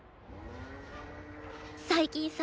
最近さ。